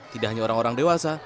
tidak hanya orang orang dewasa